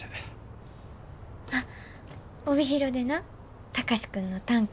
あっ帯広でな貴司君の短歌